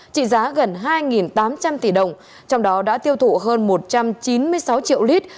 trị giá gần hai tám trăm linh tỷ đồng trong đó đã tiêu thụ hơn một trăm chín mươi sáu triệu lít